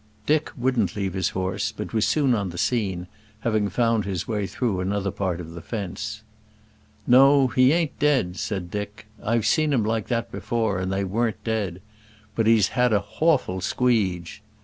Dick wouldn't leave his horse, but was soon on the scene, having found his way through another part of the fence. "No; he ain't dead," said Dick "I've seen 'em like that before, and they wurn't dead. But he's had a hawful squeege."